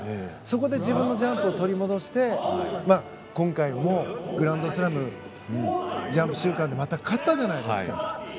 そこで自分のジャンプを取り戻して今回もグランドスラムジャンプ週間でまた勝ったじゃないですか。